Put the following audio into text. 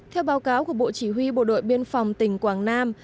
theo báo cáo của bộ chỉ huy bộ đội biên phòng tỉnh quảng nam